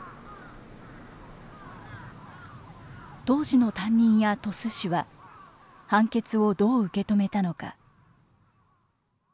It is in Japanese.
当時の担任や鳥栖市は判決をどう受け止めたのか。